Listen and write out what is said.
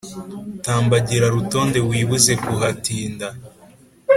Tambagira Rutonde Wibuze kuhatinda